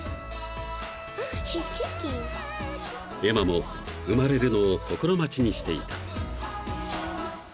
［エマも生まれるのを心待ちにしていた］